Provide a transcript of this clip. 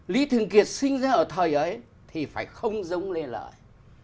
lý thường kiệt sinh ra ở thời ấy thì phải không giống lê lợi